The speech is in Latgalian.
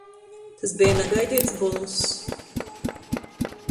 Tys beja nagaideits bonuss.